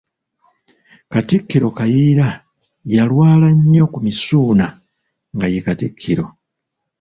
Katikkiro Kayiira yalwa nnyo ku Misuuna nga ye Katikkiro.